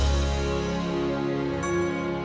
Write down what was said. terima kasih pak ustaz